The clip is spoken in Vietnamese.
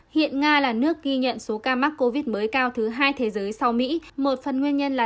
hiện nga là nước ghi nhận số ca mắc covid một mươi cao thứ hai thế giới sau mỹ một phần nguyên nhân là